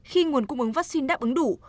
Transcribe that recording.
khi nguồn cung ứng vaccine đáp ứng đủ